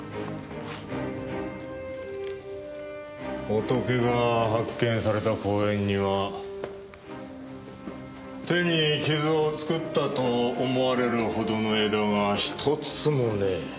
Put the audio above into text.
ホトケが発見された公園には手に傷を作ったと思われるほどの枝が１つもねえ。